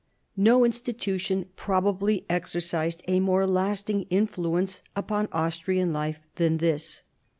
No institution probably exerted a more lasting influence upon Austrian life than this.